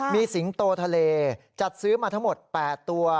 มีสิงโตทะเลจัดซื้อมาทั้งหมด๘ตัว